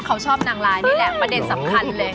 เขาชอบนางลายนี่แหละประเด็นสำคัญเลย